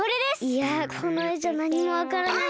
いやこのえじゃなにもわからない。